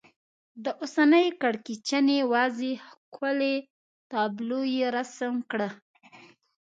د اوسنۍ کړکېچنې وضعې ښکلې تابلو یې رسم کړه.